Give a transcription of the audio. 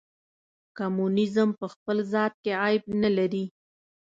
کمونیزم په خپل ذات کې عیب نه لري.